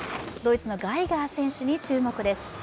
ドイツのガイガー選手に注目です。